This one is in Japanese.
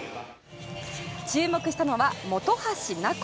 注目したのは本橋菜子。